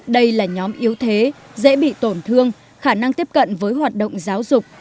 đây là nhóm yếu thế dễ bị tổn thương khả năng tiếp cận với hoạt động giáo dục